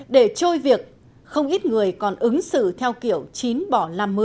để trôi việc không ít người còn ứng xử theo kiểu chín bỏ năm mươi